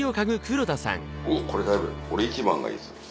おっこれ俺１番がいいです。